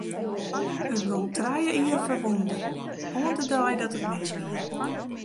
It gie trije jier foar wûnder, oant de dei dat it misgie.